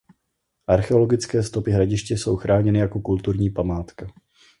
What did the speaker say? Archeologické stopy hradiště jsou chráněny jako kulturní památka.